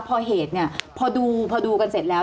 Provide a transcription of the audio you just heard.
ทีนี้ตอนนั้นพอเหตุพอดูกันเสร็จแล้ว